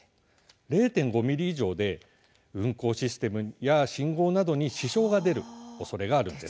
０．５ｍｍ以上で運行システムや信号などに支障が出るおそれがあるんです。